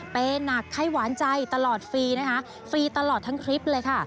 หนักไข้หวานใจตลอดฟรีนะคะฟรีตลอดทั้งคลิปเลยค่ะ